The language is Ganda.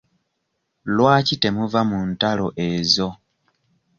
Lwaki temuva mu ntalo ezo?